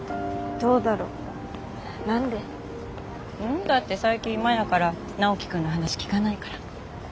ん？だって最近マヤからナオキ君の話聞かないから。